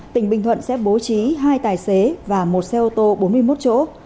tỉnh bình thuận sẽ bố trí hai tài xế và một xe ô tô bốn mươi một chỗ